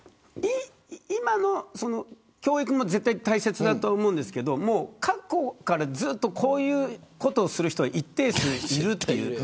今の教育も絶対大切だと思いますけど過去からこういうことをする人は一定数いるという。